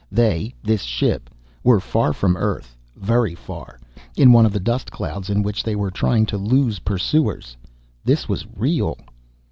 They, this ship, were far from Earth very far, in one of the dust clouds in which they were trying to lose pursuers. This was real.